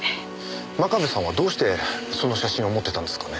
真壁さんはどうしてその写真を持ってたんですかね？